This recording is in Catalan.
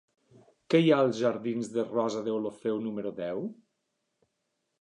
Què hi ha als jardins de Rosa Deulofeu número deu?